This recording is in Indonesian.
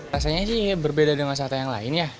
rasanya sih berbeda dengan sate yang lain ya